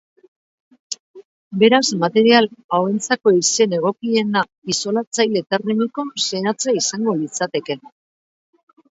Beraz, material hauentzako izen egokiena isolatzaile termiko zehatza izango litzateke.